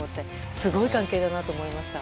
すごい関係だなと思いました。